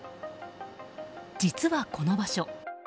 実はこの場所